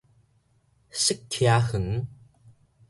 釋迦園